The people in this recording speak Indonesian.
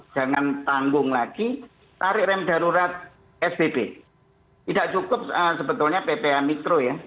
jangan tanggung lagi tarik rem darurat spb tidak cukup sebetulnya ppa mikro ya